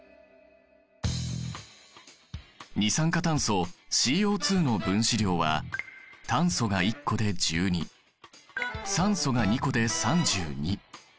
二酸化炭素ＣＯの分子量は炭素が１個で１２酸素が２個で３２。